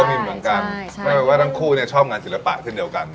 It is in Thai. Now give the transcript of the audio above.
ไม่เป็นว่าทั้งคู่ชอบงานศิลปะทั้งเดียวกัน